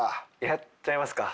やっちゃいますか。